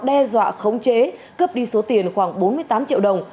te dọa khống chế cấp đi số tiền khoảng bốn mươi tám triệu đồng